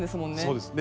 そうです。